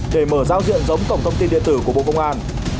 để mở giao diện giống cổng thông tin điện tử của bộ công an